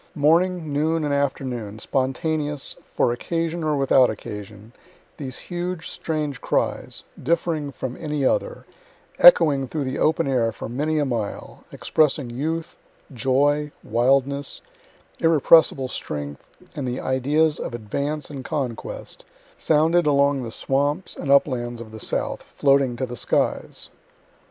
Morning, noon, and afternoon, spontaneous, for occasion or without occasion, these huge, strange cries, differing from any other, echoing through the open air for many a mile, expressing youth, joy, wildness, irrepressible strength, and the ideas of advance and conquest, sounded along the swamps and uplands of the South, floating to the skies.